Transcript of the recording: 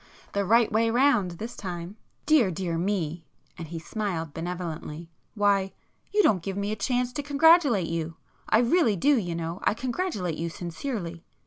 The right way round this time!" "Dear dear me," and he smiled benevolently—"Why, you don't give me a chance to congratulate you. I really do, you know—I congratulate you sincerely!"